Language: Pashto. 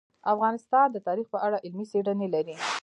افغانستان د تاریخ په اړه علمي څېړنې لري.